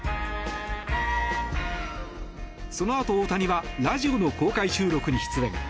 そのあと、大谷はラジオの公開収録に出演。